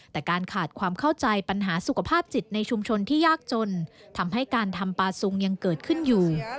แต่การขาดความเข้าใจปัญหาสุขภาพจิตในชุมชนที่ยากจนทำให้การทำปลาซุงยังเกิดขึ้นอยู่